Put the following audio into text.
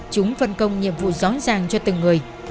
chúng phân công nhiệm vụ gió dàng cho từng người